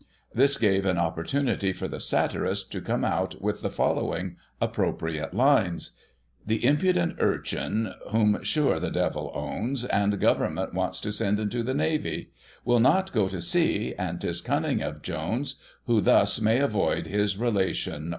This gave an opportunity for the Satirist to come out with the following appropriate lines: "The impudent urchin, whom sure the devil owns, And Government wants to send into the Navy ; Will not go to sea — and 'tis cunning of Jones, Who, thus, may avoid his relation.